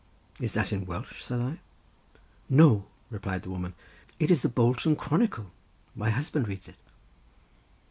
"Is that in Welsh?" said I. "No," replied the woman, "it is the Bolton Chronicle; my husband reads it."